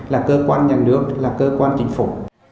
là cơ quan nhà nước là cơ quan chính phủ